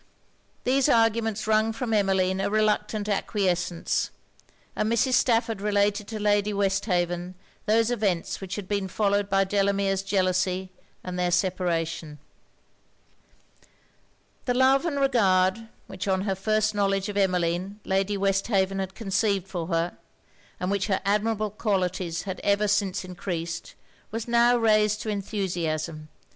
These arguments wrung from Emmeline a reluctant acquiescence: and Mrs. Stafford related to Lady Westhaven those events which had been followed by Delamere's jealousy and their separation. The love and regard, which on her first knowledge of Emmeline Lady Westhaven had conceived for her, and which her admirable qualities had ever since encreased, was now raised to enthusiasm.